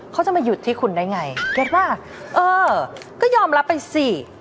เขาจะมาหยุดที่คุณได้ไงเก็ตป่ะเออก็ยอมรับไปสิ